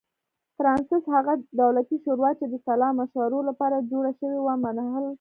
فرانسس هغه دولتي شورا چې د سلا مشورو لپاره جوړه شوې وه منحل کړه.